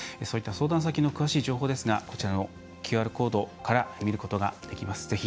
そういった相談先の詳しい情報ですがこちらのＱＲコードから見ることができます。